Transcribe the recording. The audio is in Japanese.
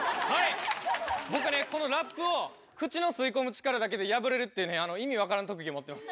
僕ね、このラップを口の吸いこむ力だけで破れるっていうね、意味分からん特技を持っています。